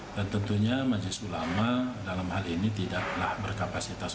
dan tentunya majlis ulama dalam hal ini tidaklah berkapasitas